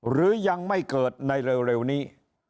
หรือยังไม่เกิดในเร็วนี้